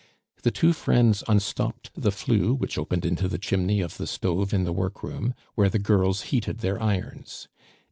The two friends unstopped the flue which opened into the chimney of the stove in the workroom, where the girls heated their irons.